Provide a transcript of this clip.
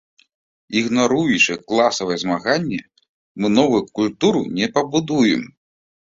Ігнаруючы класавае змаганне, мы новую культуру не пабудуем.